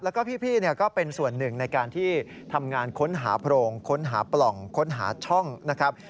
แล้วก็พี่ก็เป็นส่วนหนึ่งในการที่ทำงานค้นหาโพรงค้นหาปล่องค้นหาช่องนะครับ